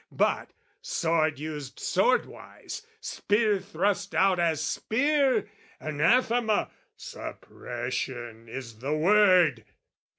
"But sword used swordwise, spear thrust out as spear? "Anathema! Suppression is the word!"